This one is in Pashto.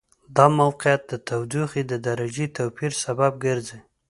دا موقعیت د تودوخې د درجې توپیر سبب ګرځي.